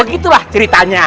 oh begitu lah ceritanya